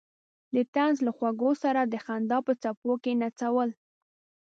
د طنز له خوږو سره د خندا په څپو کې نڅول.